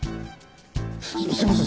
すみません